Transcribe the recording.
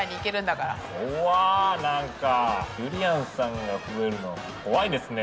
こわなんかゆりやんさんが増えるの怖いですね。